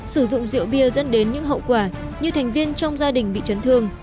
sử dụng rượu bia dẫn đến những hậu quả như thành viên trong gia đình bị chấn thương